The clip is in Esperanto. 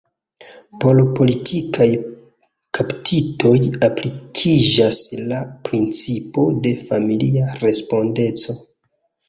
Por politikaj kaptitoj aplikiĝas la principo de familia respondeco.